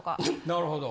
なるほど。